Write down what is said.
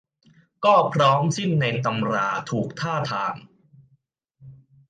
ก็พร้อมสิ้นในตำราถูกท่าทาง